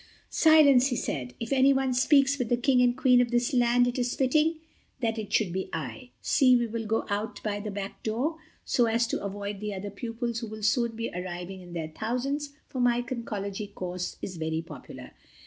"Silence," he said, "if anyone speaks with the King and Queen of this land it is fitting that it should be I. See, we will go out by the back door, so as to avoid the other pupils who will soon be arriving in their thousands, for my Conchology Course is very popular.